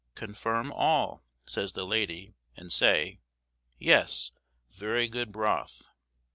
"Confirm all," says the lady, and say, "Yes, very good broth."